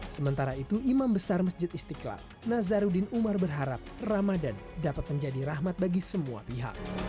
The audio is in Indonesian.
sementara itu imam besar masjid istiqlal nazaruddin umar berharap ramadan dapat menjadi rahmat bagi semua pihak